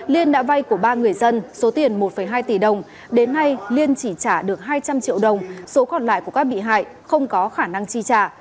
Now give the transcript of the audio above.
liên đã vay của ba người dân số tiền một hai tỷ đồng đến nay liên chỉ trả được hai trăm linh triệu đồng số còn lại của các bị hại không có khả năng chi trả